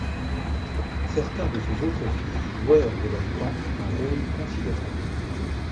Certains de ses autres fils jouèrent de leur temps un rôle considérable.